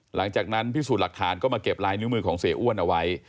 หลังจากนั้นพิสูจน์หลักฐานก็มาเก็บลายนิ้วมือของเสียอ้วนเอาไว้